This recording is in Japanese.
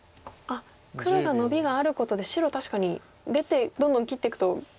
黒がノビがあることで白確かに出てどんどん切っていくと逆に。